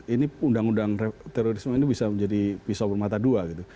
ini undang undang terorisme ini bisa menjadi pisau bermata dua gitu